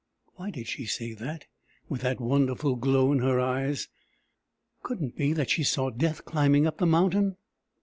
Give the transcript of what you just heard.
Why did she say that, with that wonderful glow in her eyes? Couldn't be that she saw death climbing up the mountain?